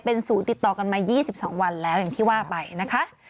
เป็นศูนย์ติดต่อกันมา๒๒วันแล้วอย่างที่ว่าไปนะคะ